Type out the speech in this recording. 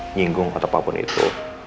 nyinggung atau apapun itu